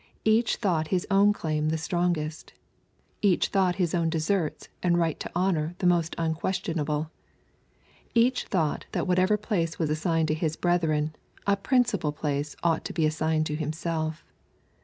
Each thought his own claim the strongest. Each thought his own deserts and right to honor most unquestionable. Each thought that whatever place was assigned to his breth ren, a principal place ought to be assigned to himself.